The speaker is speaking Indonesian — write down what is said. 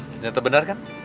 ternyata benar kan